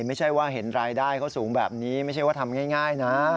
ไม่ใช่ว่าเห็นรายได้เขาสูงแบบนี้ไม่ใช่ว่าทำง่ายนะ